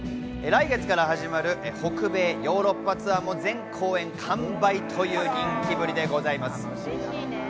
来月から始まる北米・ヨーロッパツアーも全公演完売という人気ぶりです。